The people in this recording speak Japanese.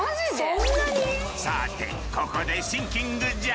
さてここでシンキングじゃ！